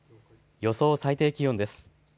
予想最低気温です。